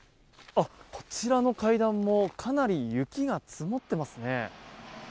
こちらの階段もかなり雪が積もってますね。